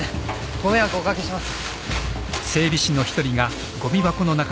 ご迷惑をお掛けします。